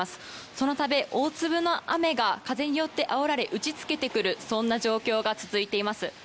そのため、大粒の雨が風によってあおられ打ちつけてくる、そんな状況が続いています。